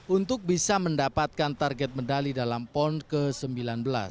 untuk bisa mendapatkan target medali dalam pon ke sembilan belas